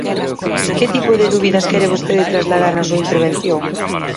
¿Que tipo de dúbidas quere vostede trasladar na súa intervención?